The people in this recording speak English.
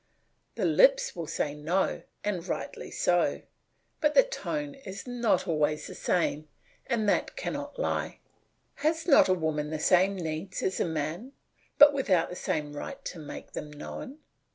The lips always say "No," and rightly so; but the tone is not always the same, and that cannot lie. Has not a woman the same needs as a man, but without the same right to make them known?